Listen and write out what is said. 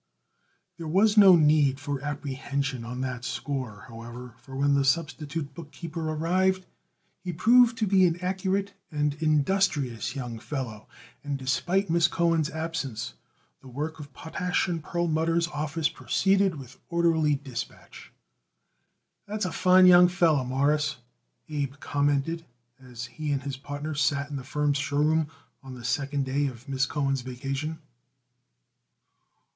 There was no need for apprehension on that score, however, for when the substitute bookkeeper arrived he proved to be an accurate and industrious young fellow, and despite Miss Cohen's absence the work of Potash & Perlmutter's office proceeded with orderly dispatch. "That's a fine young feller, Mawruss," Abe commented as he and his partner sat in the firm's show room on the second day of Miss Cohen's vacation.